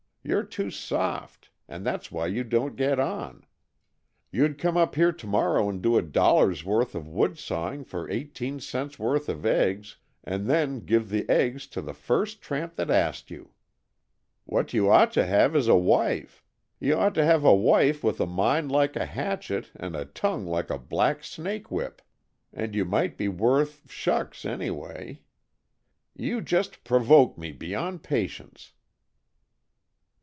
You 're too soft, and that's why you don't get on. You'd come up here to morrow and do a dollar's worth of wood sawing for eighteen cents' worth of eggs, and then give the eggs to the first tramp that asked you. What you ought to have is a wife. You ought to have a wife with a mind like a hatchet and a tongue like a black snake whip, and you might be worth shucks, anyway. You just provoke me beyond patience."